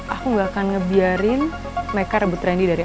aku gak akan ngebiarin meka rebut randy dari aku